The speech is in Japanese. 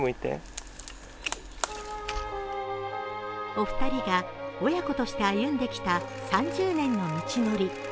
お二人が父娘として歩んできた３０年の道のり。